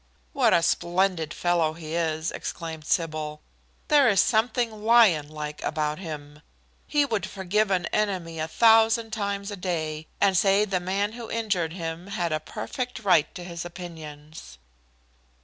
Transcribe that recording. "What a splendid fellow he is!" exclaimed Sybil. "There is something lion like about him. He would forgive an enemy a thousand times a day, and say the man who injured him had a perfect right to his opinions."